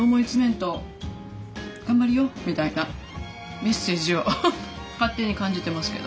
メッセージを勝手に感じてますけど。